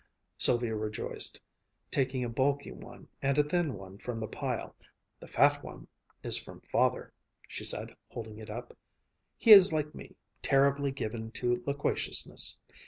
Sylvia rejoiced, taking a bulky one and a thin one from the pile. "The fat one is from Father," she said, holding it up. "He is like me, terribly given to loquaciousness.